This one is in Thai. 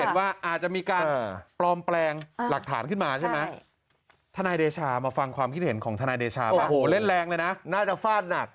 น่าจะฟาดหนัก